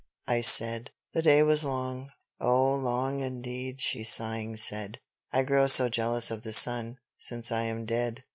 I said, "the day was long" "Oh, long indeed," she sighing said. "I grow so jealous of the sun, since I am dead."